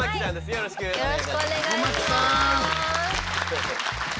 よろしくお願いします。